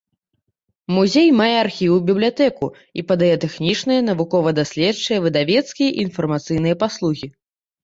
Музей мае архіў і бібліятэку і падае тэхнічныя, навукова-даследчыя, выдавецкія і інфармацыйныя паслугі.